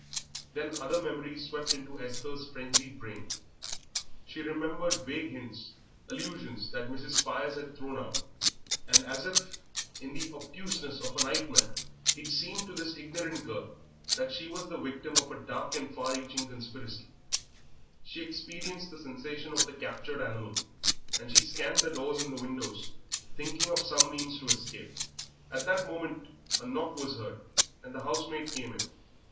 Then other memories swept into Esther's frenzied brain. She remembered vague hints, allusions that Mrs. Spires had thrown out; and as if in the obtuseness of a nightmare, it seemed to this ignorant girl that she was the victim of a dark and far reaching conspiracy; she experienced the sensation of the captured animal, and she scanned the doors and windows, thinking of some means of escape. At that moment a knock was heard and the housemaid came in.